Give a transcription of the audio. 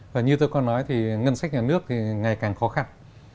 và như tôi có nói thì ngân sách nhà nước thì ngày càng khó khăn